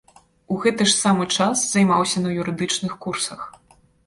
У гэты ж самы час займаўся на юрыдычных курсах.